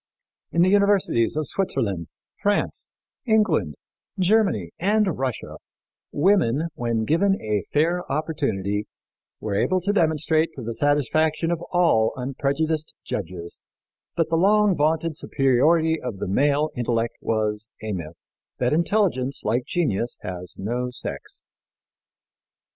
In the universities of Switzerland, France, England, Germany and Russia women, when given a fair opportunity, were able to demonstrate to the satisfaction of all unprejudiced judges that the long vaunted superiority of the male intellect was a myth; that intelligence, like genius, has no sex.